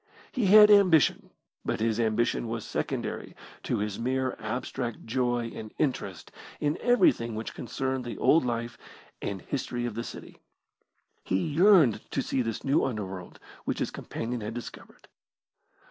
He had ambition, but his ambition was secondary to his mere abstract joy and interest in everything which concerned the old life and history of the city. He yearned to see this new underworld which his companion had discovered.